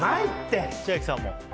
千秋さんも？